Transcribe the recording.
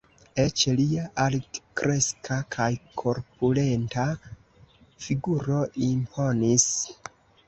Eĉ lia altkreska kaj korpulenta figuro imponis.